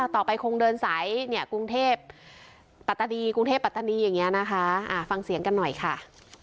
ต่อไปคงเดินสายกรุงเทพปัตตานีอย่างนี้นะคะฟังเสียงกันหน่อยค่ะ